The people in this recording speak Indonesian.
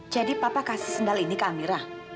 jadi papa kasih sendal ini ke amira